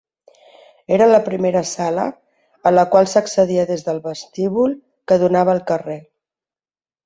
Era la primera sala, a la qual s'accedia des del vestíbul, que donava al carrer.